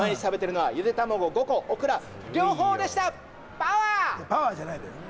パワー！じゃないのよ。